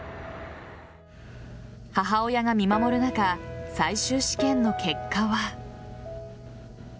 母親が見守る中最終試験の結果は。